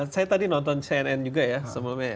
saya tadi nonton cnn juga ya sebelumnya